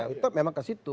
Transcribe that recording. itu memang ke situ